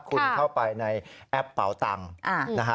คุณเข้าไปในแอปเป๋าตังค์